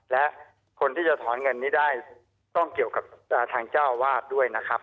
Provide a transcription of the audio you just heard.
และคนที่จะถอนเงินนี้ได้ต้องเกี่ยวกับทางเจ้าวาดด้วยนะครับ